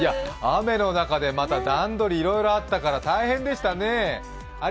雨の中でまた段取りいろいろあったから大変でしたね。